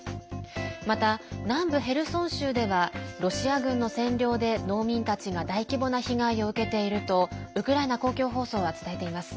また、南部ヘルソン州ではロシア軍の占領で農民たちが大規模な被害を受けているとウクライナ公共放送は伝えています。